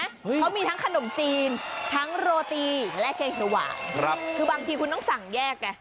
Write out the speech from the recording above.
เขามีทั้งขนมจีนทั้งโรตีและแกงสว่างคือบางทีคุณต้องสั่งแยกไง